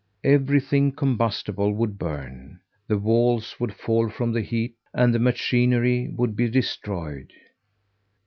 Everything combustible would burn, the walls would fall from the heat, and the machinery would be destroyed.